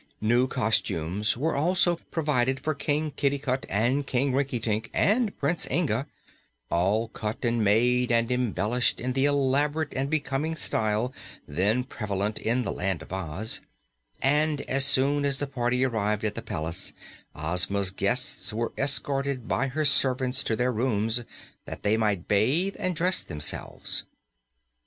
New costumes were also provided for King Kitticut and King Rinkitink and Prince Inga, all cut and made and embellished in the elaborate and becoming style then prevalent in the Land of Oz, and as soon as the party arrived at the palace Ozma's guests were escorted by her servants to their rooms, that they might bathe and dress themselves.